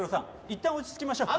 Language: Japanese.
いったん落ち着きましょう。